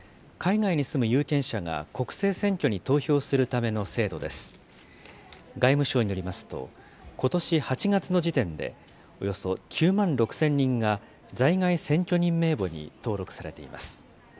外務省によりますと、ことし８月の時点で、およそ９万６０００人が在外選挙人名簿に登録されています。